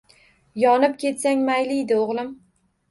Yonib ketsang mayliydi, o’g’lim